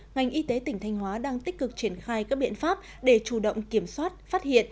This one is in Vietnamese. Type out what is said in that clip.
ngành y tế tỉnh thanh hóa đang tích cực triển khai các biện pháp để chủ động kiểm soát phát hiện